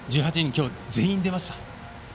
今日、全員出ました。